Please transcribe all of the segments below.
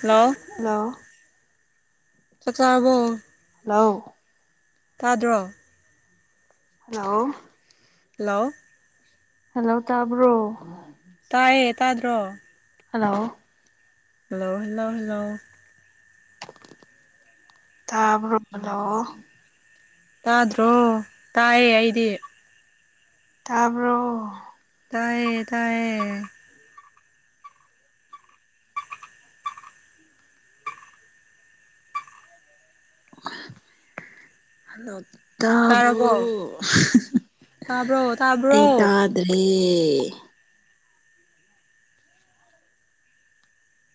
Hello hello ꯆꯥꯛ ꯆꯥꯔꯕꯣ hello ꯇꯥꯗ꯭ꯔꯣ ꯍꯜꯂꯣ ꯍꯜꯂꯣ ꯍꯜꯂꯣ ꯇꯥꯕ꯭ꯔꯣ ꯇꯥꯏꯌꯦ ꯇꯥꯗ꯭ꯔꯣ ꯍꯜꯂꯣ ꯍꯜꯂꯣ ꯍꯜꯂꯣ ꯍꯜꯂꯣ ꯇꯥꯕ꯭ꯔꯣ ꯍꯜꯂꯣ ꯇꯥꯗ꯭ꯔꯣ ꯇꯥꯏꯌꯦ ꯑꯩꯗꯤ ꯇꯥꯕ꯭ꯔꯣ ꯇꯥꯢꯌꯦ ꯇꯥꯢꯌꯦ ꯍꯜꯂꯣ ꯇꯥꯕꯣ ꯇꯥꯔꯕꯣ ꯇꯥꯕ꯭ꯔꯣ ꯑꯩ ꯇꯥꯕ꯭ꯔꯣ ꯇꯥꯗ꯭ꯔꯦ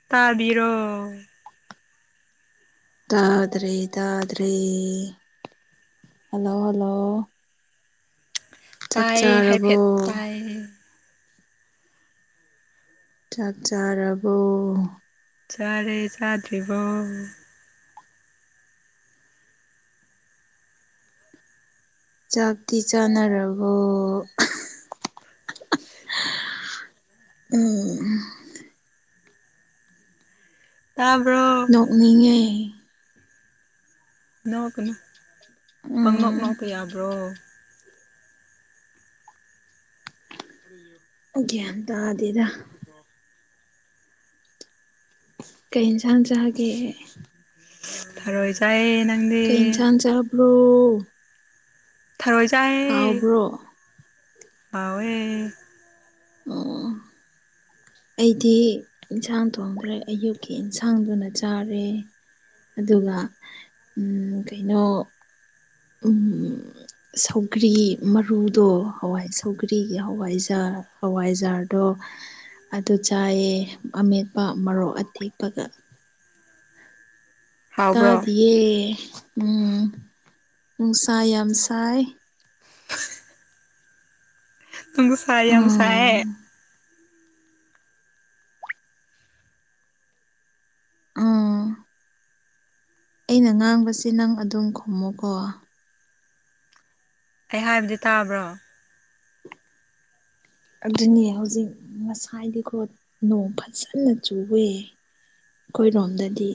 ꯇꯥꯕꯤꯔꯣ ꯇꯥꯗ꯭ꯔꯦ ꯇꯥꯗ꯭ꯔꯦ ꯍꯜꯂꯣ ꯍꯜꯂꯣ ꯆꯥꯛ ꯇꯥꯏ ꯆꯥꯔꯕꯣ ꯍꯥꯏꯐꯦꯠ ꯇꯥꯏ ꯆꯥꯛ ꯆꯥꯔꯕꯣ ꯆꯥꯔꯦ ꯆꯥꯗ꯭ꯔꯤꯕꯣ ꯆꯥꯛꯇꯤ ꯆꯥꯅꯔꯕꯣ ꯎꯝ ꯇꯥꯕ꯭ꯔꯣ ꯎꯅꯤꯡꯉꯦ ꯅꯣꯛꯒꯅꯨ ꯄꯪꯅꯣꯛ ꯎꯝ ꯅꯣꯛꯄ ꯌꯥꯕ꯭ꯔꯣ ꯑꯝ ꯒ꯭ꯌꯥꯟ ꯇꯥꯗꯦꯗ ꯎ [inaudible] ꯀꯩ ꯌꯦꯟꯁꯥꯡ ꯆꯥꯒꯦ ꯊꯔꯣꯏ ꯆꯥꯏꯌꯦ ꯅꯪꯗꯤ ꯀꯩ [unintelligible] ꯊꯥꯔꯣꯏ ꯆꯥꯏ ꯍꯥꯎꯕ꯭ꯔꯣ ꯍꯥꯎꯋꯦ ꯑꯝ ꯑꯩꯗꯤ ꯏꯟꯁꯥꯡ ꯊꯣꯡꯗ꯭ꯔꯦ ꯑꯌꯨꯛꯀꯤ ꯏꯟꯁꯥꯡꯗꯨꯅ ꯆꯥꯔꯦ ꯑꯝ ꯑꯗꯨꯒ ꯀꯩꯅꯣ ꯎꯝ ꯁꯧꯒ꯭ꯔꯤ ꯃꯔꯨꯗꯣ ꯍꯋꯥꯏ ꯁꯧꯒ꯭ꯔꯤꯒꯤ ꯍꯋꯥꯏꯖꯥꯔ ꯍꯋꯥꯏꯖꯥꯔꯗꯣ ꯑꯗꯨ ꯆꯥꯏꯑꯦ ꯑꯃꯦꯠꯄ ꯃꯣꯛ ꯑꯇꯦꯛꯄꯒ ꯍꯥꯎꯕ꯭ꯔꯣ ꯇꯥꯗꯤꯌꯦ ꯎꯝ ꯅꯨꯡꯁꯥ ꯌꯥꯝ ꯁꯥꯏ ꯅꯨꯡꯁꯥ ꯌꯥꯝ ꯁꯥꯏꯌꯦ ꯎꯝ ꯎꯝ ꯑꯩꯅ ꯉꯥꯡꯕꯁꯤ ꯅꯪ ꯑꯗꯨꯝ ꯈꯨꯝꯃꯣꯀꯣ ꯑꯩ ꯍꯥꯏꯕꯗꯤ ꯇꯥꯕ꯭ꯔꯣ ꯑꯗꯨꯅꯦ ꯍꯧꯖꯤꯛ ꯉꯁꯥꯏꯗꯤꯀꯣ ꯅꯣꯡ ꯐꯖꯅ ꯆꯨꯋꯦ ꯑꯩꯈꯣꯏꯔꯣꯝꯗꯗꯤ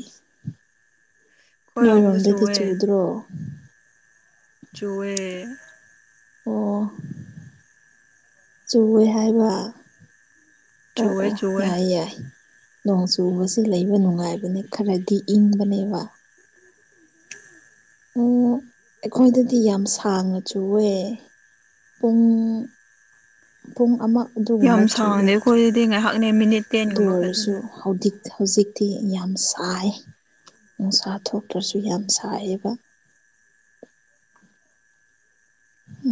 ꯑꯩꯈꯣꯏꯔꯣꯝꯗ ꯅꯣꯏꯔꯣꯝꯗꯗꯤ ꯆꯨꯋꯦ ꯆꯨꯗ꯭ꯔꯣ ꯆꯨꯋꯦ ꯑꯣ ꯆꯨꯋꯦ ꯍꯥꯏꯕ ꯑꯣ ꯆꯨꯋꯦ ꯑꯣ ꯆꯨꯋꯦ ꯌꯥꯏ ꯌꯥꯏ ꯅꯣꯡ ꯆꯨꯕꯕꯁꯤꯦ ꯂꯩꯕ ꯅꯨꯡꯉꯥꯏꯕꯅꯦ ꯈꯔꯗꯤ ꯏꯪꯕꯅꯦꯕ ꯑꯣ ꯑꯩꯈꯣꯏꯗꯗꯤ ꯌꯥꯝ ꯁꯥꯡꯅꯁꯨ ꯑꯣꯏ ꯄꯨꯡ ꯊꯨꯡ ꯑꯃ ꯌꯥꯝ ꯑꯗꯨꯒꯨꯝꯕ ꯁꯥꯡꯗꯦ ꯆꯨꯋꯦ ꯑꯩꯈꯣꯏꯔꯗꯤ ꯉꯥꯏꯍꯥꯛꯅꯦ ꯃꯤꯅꯤꯠ ꯇꯦꯟꯒꯨꯝꯕ ꯈꯛꯇꯅꯦ ꯍꯧꯖꯤ ꯍꯧꯖꯤꯛꯇꯤ ꯌꯥꯝ ꯁꯥꯏ ꯅꯨꯡꯁꯥ ꯊꯣꯛꯇ꯭ꯔꯁꯨ ꯌꯥꯝ ꯁꯥꯏꯌꯦꯕ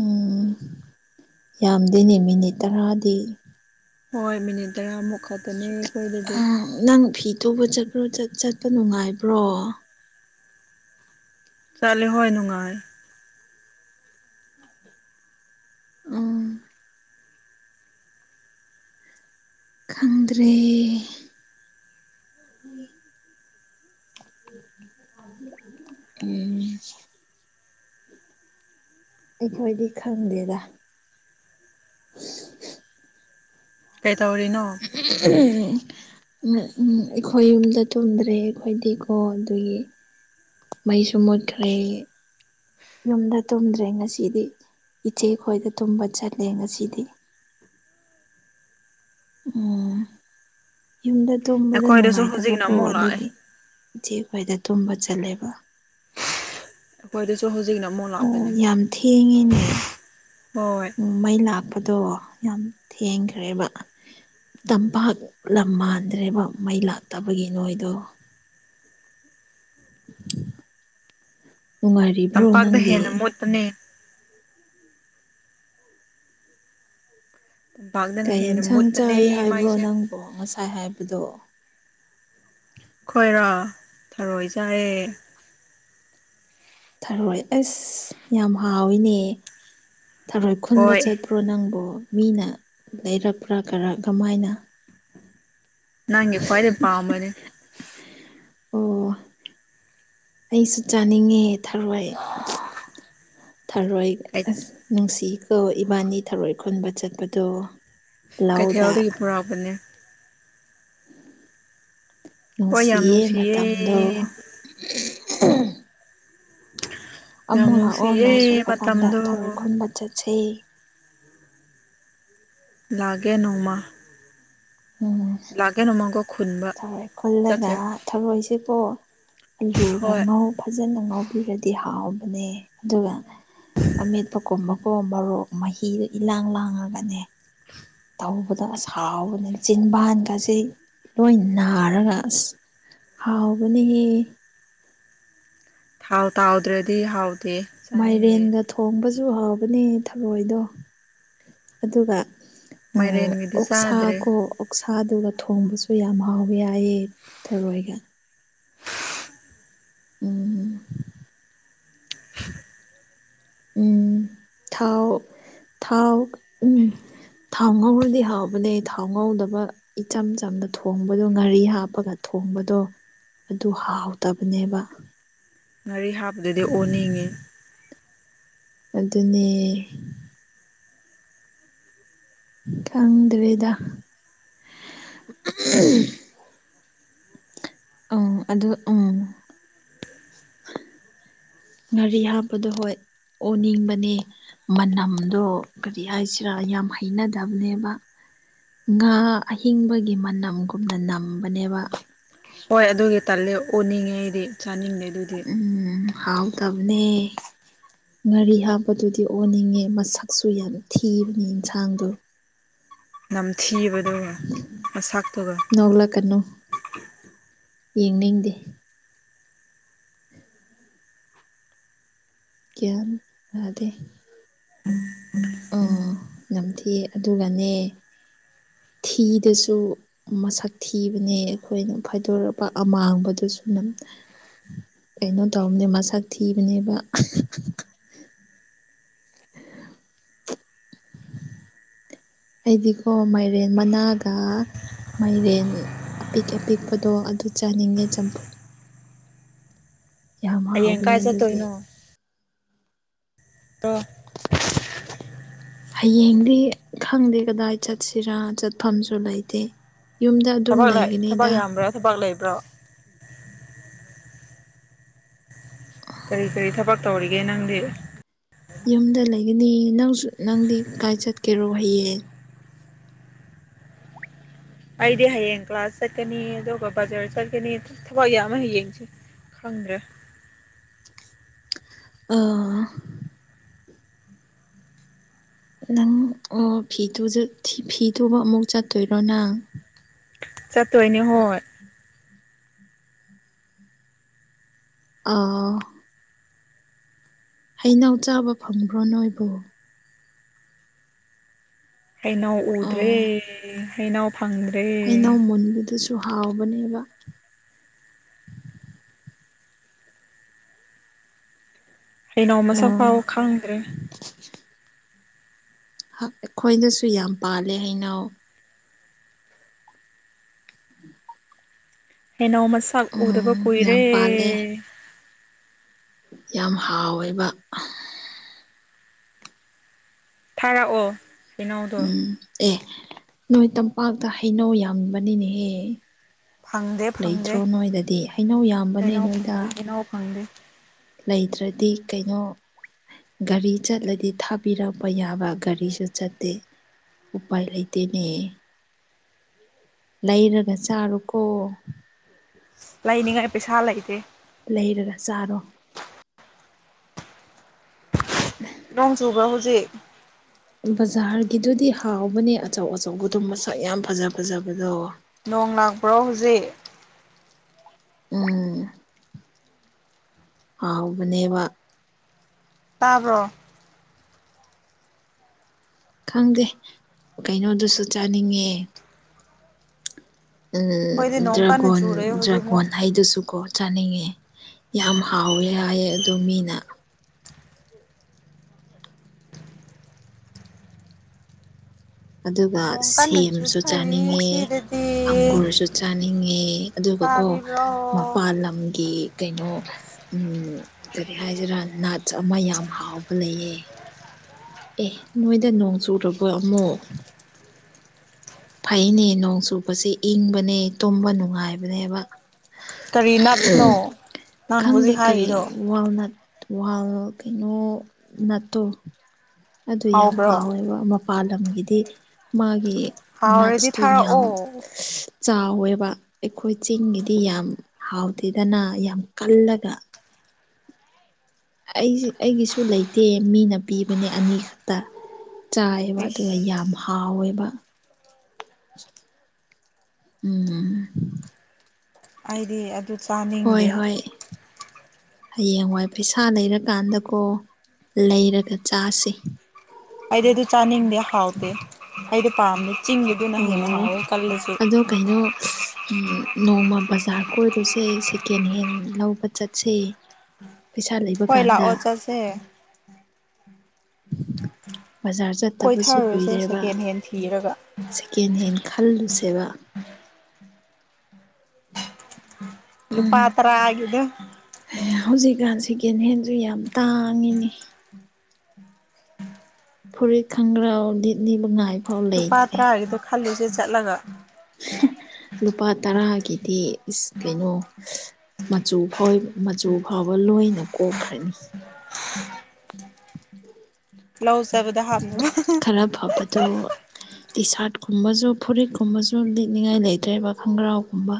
ꯎꯝ ꯌꯥꯝꯗꯦꯅꯦ ꯃꯤꯅꯤꯠ ꯇꯔꯥꯗꯤ ꯍꯣꯏ ꯃꯤꯅꯤꯠ ꯇꯔꯥꯃꯨꯛ ꯈꯛꯇꯅꯦ ꯑꯩꯈꯣꯏꯗꯗꯤ ꯎ ꯅꯪ ꯐꯤ ꯇꯨꯕ ꯆꯠꯄ꯭ꯔꯣ ꯆꯠꯄ ꯅꯨꯡꯉꯥꯏꯕ꯭ꯔꯣ ꯆꯠꯂꯦ ꯍꯣꯏ ꯅꯨꯡꯉꯥꯏ ꯎꯝ ꯈꯪꯗ꯭ꯔꯦ ꯎꯝ ꯑꯩꯈꯣꯏꯗꯤ ꯈꯪꯗꯦꯗ ꯀꯩ ꯇꯧꯔꯤꯅꯣ ꯑꯣ ꯎ ꯑꯩꯈꯣꯏ ꯌꯨꯝꯗ ꯇꯨꯝꯗ꯭ꯔꯦ ꯑꯩꯈꯣꯏꯗꯤꯀꯣ ꯑꯗꯨꯒꯤ ꯃꯩꯁꯨ ꯃꯨꯠꯈ꯭ꯔꯦ ꯌꯨꯝꯗ ꯇꯨꯝꯗ꯭ꯔꯦ ꯉꯁꯤꯗꯤ ꯏꯆꯦ ꯈꯣꯏꯗ ꯇꯨꯝꯕ ꯆꯠꯂꯦ ꯉꯁꯤꯗꯤ ꯎꯝ ꯌꯨꯝꯗ ꯇꯨꯝꯕꯗ ꯑꯩꯈꯣꯏꯗꯁꯨ ꯍꯧꯖꯤꯛꯅ ꯅꯨꯡꯉꯥꯏꯇꯕꯀꯣ ꯑꯃꯨꯛ ꯂꯥꯛꯑꯦ ꯑꯗꯨꯒꯤ ꯏꯆꯦ ꯈ꯭ꯣꯏꯗ ꯇꯨꯝꯕ ꯆꯠꯂꯦꯕ ꯑꯩꯈꯣꯏꯗꯁꯨ ꯍꯧꯖꯤꯛꯅ ꯃ ꯑꯣ ꯌꯥꯝ ꯊꯦꯡꯉꯤꯅꯦ ꯍꯣꯏ ꯎꯝ ꯃꯩ ꯂꯥꯛꯄꯗꯣ ꯌꯥꯝ ꯊꯦꯡꯈ꯭ꯔꯦꯕ ꯇꯝꯄꯥꯛ ꯂꯝ ꯃꯥꯟꯗ꯭ꯔꯦꯕ ꯃꯩ ꯂꯥꯛꯇꯕꯒꯤ ꯅꯣꯏꯗꯣ ꯅꯨꯡꯉꯥꯏꯔꯤꯕ꯭ꯔꯣ ꯇꯝꯄꯥꯛꯇ ꯅꯪꯗꯤ ꯍꯦꯟꯅ ꯃꯣꯠꯄꯅꯦ ꯇꯝꯄꯥꯛꯇꯅ ꯀꯩ ꯍꯦꯟꯅ ꯌꯦꯟꯁꯥꯡ ꯃꯨꯠꯄꯅꯦ ꯆꯥꯏ ꯍꯥꯏꯕ꯭ꯔꯣ ꯃꯩꯁꯦ ꯅꯪꯕꯣ ꯉꯁꯥꯏ ꯍꯥꯏꯕꯗꯣ ꯈꯣꯏꯔꯣ ꯊꯔꯣꯏꯖꯔꯦ ꯊꯔꯣꯏ ꯑꯁ ꯌꯥꯝ ꯍꯥꯎꯋꯏꯅꯦ ꯊꯔꯣꯏ ꯈꯨꯟꯕ ꯍꯣꯏ ꯆꯠꯄ ꯀ꯭ꯔꯣ ꯅꯪꯕꯨ ꯃꯤꯅ ꯂꯩꯔꯛꯄ꯭ꯔꯥ ꯈꯔꯥ ꯀꯃꯥꯏꯅ ꯅꯪꯪꯦ ꯀꯋꯥꯔ ꯄꯝꯕꯅꯤ ꯑꯣ ꯑꯩꯁꯨ ꯆꯥꯅꯤꯡꯉꯦ ꯊꯔꯣꯏ ꯊꯔꯣꯏ ꯑ ꯅꯨꯡꯁꯤ ꯑ ꯏꯕꯥꯅꯤ ꯊꯧꯔꯣꯏ ꯈꯨꯟꯕ ꯆꯠꯄꯗꯣ ꯂꯧꯗ ꯀꯩꯊꯦꯜꯗꯒꯤ ꯄꯨꯔꯛꯕꯅꯦ ꯍꯣꯏ ꯌꯥꯝ ꯅꯨꯡꯁꯤꯌꯦ ꯃꯇꯝꯗꯣ ꯅꯨꯡꯁꯤꯌꯦ ꯌꯥꯝ ꯑꯃꯨꯛ ꯂꯥꯛꯑꯣ ꯅꯨꯡꯁꯤꯌꯦ ꯅꯣꯡ ꯆꯨꯕ ꯀꯥꯟꯗ ꯊꯔꯣꯏ ꯃꯇꯝꯗꫭ ꯈꯨꯟꯕ ꯆꯠꯁꯦ ꯂꯥꯒꯦ ꯅꫭꯡꯃꯥ ꯎꯝ ꯂꯥꯒꯦ ꯅꫭꯡꯃꯥꯒꫭ ꯊꯔꯣꯏ ꯈꯨꯜꯂꯒ ꯊꯔꯣꯏꯁꯦꯀꫭ ꯑꯂꯨꯒ ꯍꯣꯏ ꯉꯧ ꯐꯖꯅ ꯉꯧꯕꯤꯔꯗꯤ ꯍꯥꯎꯕꯅꯦ ꯑꯗꯨꯒ ꯑꯃꯦꯠꯄ ꯀꯨꯝꯕ ꯀꯣ ꯃꯣꯔꯣꯛ ꯃꯍꯤꯗꯣ ꯏꯂꯥꯡ ꯂꯥꯡꯉꯒꯅꯦ꯫ ꯇꯧꯕꯗꫭ ꯑꯁ ꯍꯥꯎꯕꯅꯦ ꯆꯤꯟꯕꯥꯟꯒꯁꯤ ꯂꯣꯏ ꯅꯥꯔꯒ ꯑꯁ ꯍꯥꯎꯕꯅꯦꯍꯦ ꯫ ꯊꯥꯎ ꯇꯧꯗ꯭ꯔꯗꯤ ꯍꯥꯎꯗꯦ꯫ ꯃꯥꯏꯔꯦꯟꯒ ꯊꯣꯡꯕꯁꯨ ꯍꯥꯎꯕꯅꯦ ꯊꯔꯣꯏꯗꯣ ꯑꯗꯨꯒ ꯎꯝ ꯃꯥꯏꯔꯦꯟꯒꯤꯗꯤ ꯑꫭꯛꯁꯥ ꯆꯥꯗ꯭ꯔꯦ ꯀꯣ ꯑꫭꯛ ꯁꯥꯗꯨꯒ ꯊꯣꯡꯕꯁꯨ ꯌꯥꯝ ꯍꯥꯎꯕ ꯌꯥꯏꯌꯦ ꯊꯔꯣꯏꯒ ꯎꯝ ꯎꯝ ꯊꯥꯎ ꯊꯥꯎ ꯎꯝ ꯊꯥꯎ ꯉꯧꯔꯗꯤ ꯍꯥꯎꯕꯅꯦ ꯊꯥꯎ ꯉꯧꯗꯕ ꯏꯆꯝ ꯆꯝꯅ ꯊꯣꯡꯕꯗꯣ ꯉꯥꯔꯤ ꯍꯥꯞꯄꯒ ꯊꯣꯡꯕꯗꯣ ꯑꯗꯨ ꯍꯥꯎꯇꯕꯅꯦꯕ ꯉꯥꯔꯤ ꯍꯥꯞꯗꯨꯗꯤ ꯑꯣꯅꯤꯡꯉꯦ꯫ ꯑꯗꯨꯅꯦ ꯈꯪꯗ꯭ꯔꯦꯗꯥ ꯑꯪ ꯑꯗꯨ ꯎꯝ ꯉꯔꯤ ꯍꯥꯞꯄꯗꯣ ꯍꯣꯏ ꯑꯣꯅꯤꯡꯕꯅꯦ꯫ ꯃꯅꯝꯗꯣ ꯀꯔꯤ ꯍꯥꯏꯁꯤꯔꯥ ꯌꯥꯝ ꯍꯩꯅꯗꯕꯅꯦꯕ ꯉꯥ ꯑꯍꯤꯡꯕꯒꯤ ꯃꯅꯝꯒꯨꯝꯅ ꯅꯝꯕꯅꯦꯕ ꯍꯣꯏ ꯑꯗꯨꯒꯤ ꯇꯥꯜꯂꯦ ꯑꯣꯅꯤꯡꯉꯦ ꯑꯩꯗꯤ ꯆꯥꯅꯤꯡꯗꯦ ꯑꯗꯨꯗꯤ ꯎꯝ ꯍꯥꯎꯇꯕꯅꯦ꯫ ꯉꯥꯔꯤ ꯍꯥꯞꯄꯗꯨꯗꯤ ꯑꯣꯟꯅꯤꯡꯉꯦ ꯃꯁꯛꯁꯨ ꯌꯥꯝ ꯊꯤꯕꯅꯤ ꯏꯟꯁꯥꯡꯗꯣ ꯅꯝꯊꯤꯕꯗꯨꯒ ꯃꯁꯥꯛꯇꯨꯒ ꯅꫭꯛꯂꯥꯛꯀꯅꯣ ꯌꯦꯡꯅꯤꯡꯗꯦ ꯒꯤꯌꯥꯟ ꯇꯥꯗꯦ꯫ ꯑ ꯅꯝꯊꯤꯌꯦ ꯑꯗꯨꯒꯅꯦ ꯊꯤꯗꯁꯨ ꯃꯁꯛ ꯊꯤꯕꯅꯦ ꯑꯩꯈꯣꯏꯅ ꯐꯥꯏꯗꯣꯔꯛꯄ ꯑꯃꯥꯡꯕꯗꯨꯁꯨ ꯅꯝ ꯀꯩꯅꯣ ꯇꯧꯕꯅꯦ ꯃꯁꯛ ꯊꯤꯕꯅꯦꯕ꯫ [inaudible] ꯑꯩꯗꯤꯀꯣ ꯃꯥꯏꯔꯦꯟ ꯃꯅꯥꯒ ꯃꯥꯏꯔꯦꯟ ꯑꯄꯤꯛ- ꯑꯄꯤꯛꯄꯗꯣ ꯑꯗꯨ ꯆꯥꯅꯤꯡꯉꯦ ꯆꯝꯐꯨ ꯌꯥꯝ ꯍꯌꯦꯡ ꯍꯥꯎꯕꯅꯦ ꯀꯥꯏ ꯑꯗꯨꯗꯤ ꯆꯠꯇꯣꯏꯅꯣ ꯇꯣ ꯍꯌꯦꯡꯗꯤ ꯈꯪꯗꯦ ꯀꯗꯥꯏ ꯆꯠꯁꯤꯔꯥ ꯆꯠꯐꯝꯁꯨ ꯂꯩꯇꯦ꯫ ꯌꯨꯝꯗ ꯑꯗꯨꯝ ꯊꯕꯛ ꯊꯕꯛ ꯂꯩꯒꯅꯤꯗ꯫ ꯌꯥꯝꯕ꯭ꯔꯥ ꯊꯕꯛ ꯂꯩꯕ꯭ꯔꯣ꯫ ꯀꯔꯤ ꯀꯔꯤ ꯊꯕꯛ ꯇꯧꯔꯤꯒꯦ ꯅꯪꯗꯤ ꯌꯨꯝꯗ ꯂꯩꯒꯅꯤ ꯅꯪꯁꯨ ꯅꯪꯗꯤ ꯀꯥꯏ ꯆꯠꯀꯦꯔꯣ ꯍꯌꯦꯡ ꯑꯩꯗꯤ ꯍꯌꯦꯡ ꯀ꯭ꯂꯥꯁ ꯆꯠꯀꯅꯤ ꯑꯗꯨꯒ ꯕꯖꯥꯔ ꯆꯠꯀꯅꯤ ꯊꯕꯛ ꯌꯥꯝꯃꯦ ꯍꯌꯦꯡꯁꯦ ꯈꯪꯗ꯭ꯔꯦ ꯑꯥ ꯅꯪ ꯑꯣ ꯐꯤ ꯇꯨꯖ ꯐꯤ ꯐꯤꯇꯨꯕ ꯑꯃꯨꯛ ꯆꯠꯇꯣꯏꯔꯣ ꯅꯪ ꯆꯠꯇꯣꯏꯅꯦ ꯍꯣꯏ ꯑꯥ ꯍꯩꯅꯧ ꯆꯥꯕ ꯐꯪꯕ꯭ꯔꯣ ꯅꯣꯏꯕꯣ ꯍꯩꯅꯧ ꯎꯗ꯭ꯔꯦ ꯑꯣ ꯍꯩꯩꯅꯧ ꯐꯪꯗ꯭ꯔꯦ ꯍꯩꯅꯧ ꯃꯨꯟꯕꯗꯨꯁꯨ ꯍꯥꯎꯕꯅꯦꯕ ꯍꯩꯅꯧ ꯃꯁꯛ ꯑꯣ ꯐꯥꯎꯕ ꯈꯪꯗ꯭ꯔꯦ ꯑꯩꯈꯣꯏꯗꯁꯨ ꯌꯥꯝ ꯄꯥꯜꯂꯦ ꯍꯩꯅꯧ ꯍꯧꯅꯧ ꯃꯁꯥꯛ ꯎꯗꯕ ꯎꯝ ꯀꯨꯏꯔꯦ ꯌꯥꯝ ꯄꯥꯜꯂꯦ ꯌꯥꯝ ꯍꯥꯎꯋꯦꯕ ꯊꯥꯔꯛꯑꯣ ꯍꯩꯅꯧꯗꯣ ꯎꯝ ꯑꯦ ꯅꯣꯏ ꯇꯝꯄꯥꯛꯇ ꯍꯩꯅꯧ ꯌꯥꯝꯕꯅꯤꯅꯦꯍꯦ ꯐꯪꯗꯦ ꯐꯪꯗꯦ ꯂꯩꯇ꯭ꯔꯣ ꯅꯣꯏꯗꯗꯤ ꯍꯩꯅꯧ ꯌꯥꯝꯕꯅꯦ ꯅꯣꯏꯗ ꯅꯧ ꯐꯪꯗꯦ ꯂꯩꯇ꯭ꯔꯗꯤ ꯀꯩꯅꯣ ꯒꯥꯔꯤ ꯆꯠꯂꯗꯤ ꯊꯥꯕꯤꯔꯛꯄ ꯌꯥꯕ ꯒꯥꯔꯤꯁꯨ ꯆꯠꯇꯦ ꯎꯄꯥꯏ ꯂꯩꯇꯦꯅꯦ ꯂꯩꯔꯒ ꯆꯥꯔꯣꯀꯣ ꯂꯩꯅꯤꯡꯉꯥꯏ ꯄꯩꯁꯥ ꯂꯩꯇꯦ ꯂꯩꯔꯒ ꯆꯥꯔꯣ [unintelligible] ꯅꯣꯡꯆꯨꯕ꯭ꯔ ꯍꯧꯖꯤꯛ ꯕꯖꯥꯔꯒꯤꯗꯨꯗꯤ ꯍꯥꯎꯕꯅꯦ ꯑꯆꯧ ꯑꯆꯧꯕꯗꯨ ꯃꯁꯛ ꯌꯥꯝ ꯐꯖ ꯐꯖꯕꯗꯣ ꯅꯣꯡ ꯂꯥꯛꯄ꯭ꯔꯣ ꯍꯧꯖꯤꯛ ꯎꯝ ꯍꯥꯎꯕꯅꯦꯕ ꯇꯥꯕ꯭ꯔꯣ ꯈꯪꯗꯦ ꯀꯩꯅꯣꯗꯨꯁꯨ ꯆꯥꯅꯤꯡꯉꯦ ꯎꯝ ꯑꯩꯈꯣꯏꯗꯤ ꯅꯣꯡ ꯀꯟꯅ ꯗ꯭ꯔꯥꯒꯣꯟ ꯆꯨꯔꯦ ꯍꯧꯖꯤꯛꯃꯨꯛ ꯗ꯭ꯔꯥꯒꯣꯟ ꯍꯩꯗꯨꯁꯨꯀꯣ ꯆꯥꯅꯤꯡꯉꯦ ꯌꯥꯝ ꯍꯥꯎꯋꯦ ꯍꯥꯏꯌꯦ ꯑꯗꯨ ꯃꯤꯅ ꯑꯗꯨꯒ ꯅꯣꯡ ꯀꯟꯅ ꯁꯦꯝꯁꯨ ꯆꯨꯊꯔꯤ ꯆꯥꯅꯤꯡꯉꯦ ꯁꯤꯗꯗꯤ ꯑꯪꯒꯨꯔꯁꯨ ꯆꯥꯅꯤꯡꯉꯦ ꯑꯗꯨꯒꯀꯣ ꯇꯥꯕꯤꯕ꯭ꯔꯣ ꯃꯄꯥꯥꯟ ꯂꯝꯒꯤ ꯀꯩꯅꯣ ꯎꯝ ꯀꯔꯤ ꯍꯥꯏꯁꯤꯔ ꯅꯥꯠꯁ ꯑꯃ ꯌꯥꯝ ꯍꯥꯎꯕ ꯂꯩꯌꯦ ꯑꯦ ꯅꯣꯏꯗ ꯅꯣꯡ ꯆꯨꯔꯕꯣ ꯑꯃꯨꯛ ꯐꯩꯅꯦ ꯅꯣꯡ ꯆꯨꯄꯁꯦ ꯏꯪꯕꯅꯦ ꯇꯨꯝꯕ ꯅꯨꯡꯉꯥꯏꯕꯅꯦꯕ ꯀꯔꯤ ꯅꯠꯁꯅꯣ ꯅꯪ ꯍꯧꯖꯤꯛ ꯈꯪꯗꯦ ꯀꯔꯤꯅꯣ ꯍꯥꯏꯔꯤꯗꯣ ꯋꯥꯜꯅꯠ ꯋꯥꯜ ꯀꯩꯅꯣ ꯅꯠꯇꯣ ꯑꯗꯨ ꯌꯥꯝ ꯍꯥꯎꯕ꯭ꯔꯣ ꯍꯥꯎꯋꯦꯕ ꯃꯄꯥꯥꯟ ꯂꯝꯒꯤꯗꯤ ꯃꯥꯒꯤ ꯍꯥꯎꯔꯗꯤ ꯅꯠꯇ‌ꯣ ꯌꯥꯝ ꯊꯥꯔꯛꯑꯣ ꯆꯥꯎꯋꯦꯕ ꯑꯩꯈꯣꯏ ꯆꯤꯡꯒꯤꯗꯤ ꯌꯥꯝ ꯍꯥꯎꯇꯦꯗꯅ ꯌꯥꯝ ꯀꯜꯂꯒ ꯑꯩ ꯑꯩꯒꯤꯁꯨ ꯂꯩꯇꯦ ꯃꯤꯅ ꯄꯤꯕꯅꯦ ꯑꯅꯤ ꯈꯛꯇ ꯆꯥꯏꯑꯦꯕ ꯑꯗꯨꯒ ꯌꯥꯝ ꯏꯁ ꯍꯥꯎꯋꯦꯕ ꯎꯝ ꯑꯩꯗꯤ ꯑꯗꯨ ꯍꯣꯏ ꯆꯥꯅꯤꯡꯗꯦ ꯍꯣꯏ ꯍꯌꯦꯡꯋꯥꯏ ꯄꯩꯁꯥ ꯂꯩꯔꯀꯥꯟꯗꯀꯣ ꯂꯩꯔꯒ ꯆꯥꯁ‌ꯦ ꯑꯩꯗꯤ ꯑꯗꯨ ꯆꯥꯅꯤꯡꯗꯦ ꯍꯥꯎꯇ‌ꯦ ꯑꯩꯗꯤ ꯄꯥꯝꯗ‌ꯦ ꯆꯤꯡꯒꯤꯗꯨꯅ ꯍꯦꯟꯅ ꯑꯣ ꯍꯥꯎꯋꯦ ꯀꯜꯂꯁꯨ ꯑꯗꯣ ꯀꯩꯅꯣ ꯎꯝ ꯅꯣꯡꯃ ꯕꯖꯥꯔ ꯀꯣꯏꯔꯨꯁꯦ ꯁꯦꯀꯦꯟꯍꯦꯟ ꯂꯧꯕ ꯆꯠꯁꯦ ꯄꯩꯁꯥ ꯂꯩꯕ ꯍꯣꯏ ꯀꯥꯟꯗ ꯂꯥꯛꯑꯣ ꯆꯠꯁꯦ ꯕꯖꯥꯔ ꯆꯠꯇꯕꯁꯨ ꯀꯨꯏꯔꯦꯕ ꯌꯦꯟ ꯊꯤꯔꯒ ꯁꯦꯀꯦꯟꯍꯦꯟ ꯈꯜꯂꯨꯁꯦꯕ ꯂꯨꯄꯥ ꯎꯝ ꯇꯥꯔꯒꯤꯗꯣ ꯍꯧꯖꯤꯛꯀꯥꯟ ꯁꯤꯀꯦꯟꯍꯦꯟꯁꯨ ꯌꯥꯝ ꯇꯥꯡꯉꯤꯅꯦ ꯐꯨꯔꯤꯠ ꯈꯪꯒ꯭ꯔꯥꯎ ꯂꯤꯠꯂꯤꯕꯥꯉꯥꯏ ꯂꯨꯄꯥ ꯇꯔꯥꯒꯤꯗꯣ ꯈꯜꯂꯨꯁꯦ ꯆꯠꯂꯒ ꯂꯨꯄꯥ ꯇꯔꯒꯤꯗꯤ ꯏꯁ ꯀꯩꯅꯣ ꯃꯆꯨ ꯐꯣꯏ ꯃꯆꯨ ꯐꯥꯎꯕ ꯂꯣꯏꯅ ꯀꯣꯛꯈ꯭ꯔꯅꯤ ꯂꯧ ꯆꯠꯕꯗ ꯍꯥꯞꯅꯕ ꯈꯔ ꯐꯕꯗꯣ ꯇꯤ ꯁꯥꯔꯠꯀꯨꯝꯕꯁꯨ ꯐꯨꯔꯤꯠꯀꯨꯝꯕꯁꯨ ꯂꯤꯠꯅꯤꯡꯉꯥꯏ ꯂꯩꯇ꯭ꯔꯦꯕ ꯈꯣꯡꯒ꯭ꯔꯥꯎꯒꯨꯝꯕ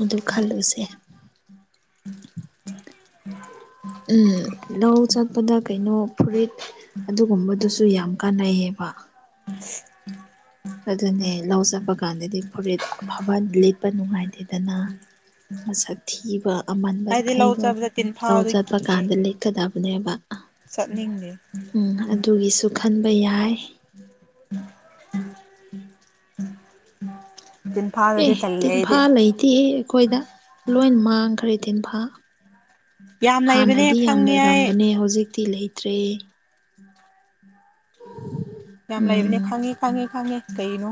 ꯑꯗꯨ ꯈꯜꯂꯨꯁꯦ ꯎꯝ ꯂꯧ ꯆꯠꯄꯗ ꯀꯩꯅꯣ ꯐꯨꯔꯤꯠ ꯑꯗꯨꯒꯨꯝꯕꯗꯨꯁꯨ ꯌꯥꯝ ꯀꯥꯟꯅꯩꯌꯦꯕ ꯑꯗꯨꯅꯦ ꯂꯧ‌ ꯆꯠꯄ ꯀꯥꯟꯗꯗꯤ ꯐꯨꯔꯤꯠ ꯑꯐꯕ ꯂꯤꯠꯄ ꯅꯨꯡꯉꯥꯏꯇꯦꯗꯅ ꯃꯁꯛ ꯊꯤꯕ ꯑꯃꯟꯕ ꯑꯩꯗꯤ ꯂꯧ ꯈꯩꯗꯣ ꯆꯠꯕꯗ ꯂꯧ ꯇꯤꯟꯐꯥꯗꯣ ꯆꯠꯄ ꯀꯥꯟꯗꯂꯤꯠ ꯀꯗꯕꯅꯦꯕꯥ ꯑꯥ ꯆꯠꯅꯤꯡꯗ‌ꯦ ꯎꯝ ꯑꯗꯨꯒꯤꯁꯨ ꯈꯟꯕ ꯌꯥꯏ ꯇꯤꯟꯐꯥꯗꯨꯗꯤ ꯑꯦ ꯇꯜꯂꯦ ꯑꯩꯗꯤ ꯇꯤꯟꯐꯥ ꯂꯩꯇꯦꯍ‌ꯦ ꯑꯩꯈꯣꯏꯗ ꯂꯣꯏ ꯃꯥꯡꯈ꯭ꯔꯦ ꯇꯤꯟꯐꯥ ꯌꯥꯝ ꯂꯩꯕꯅꯦ ꯍꯥꯟꯅꯗꯤ ꯌꯥꯝ ꯈꯪꯉꯦ ꯑꯩ ꯂꯩꯔꯝꯕꯅꯦ ꯍꯧꯖꯤꯛꯇꯤ ꯂꯩꯇ꯭ꯔꯦ ꯌꯥꯝ ꯂꯩꯕꯅꯦ ꯎꯝ ꯈꯪꯉꯤ ꯈꯪꯉꯤ ꯈꯪꯉꯦ ꯀꯩꯅꯣ